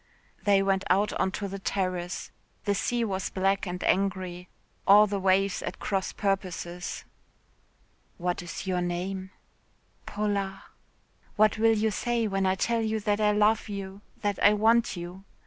They went out on to the terrace. The sea was black and angry, all the waves at cross purposes. "What is your name?" "Paula." "What will you say when I tell you that I love you, that I want you?"